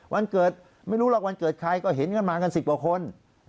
วันเกิดไม่รู้หรอกวันเกิดใครก็เห็นกันมากัน๑๐กว่าคน